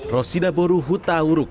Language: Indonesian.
rosida boru huta uruk